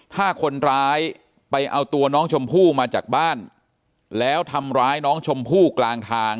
ถ้าคนร้ายไปเอาตัวน้องชมพู่มาจากบ้านแล้วทำร้ายน้องชมพู่กลางทาง